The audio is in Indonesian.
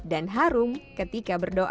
dan harum ketika berdoa